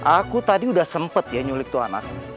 aku tadi udah sempet ya nyulik tuan ar